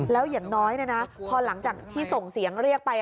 แล้วอย่างน้อยพอหลังจากที่ส่งเสียงเรียกไป